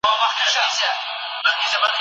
ورزش د انسان ذهن له منفي افکارو پاکوي.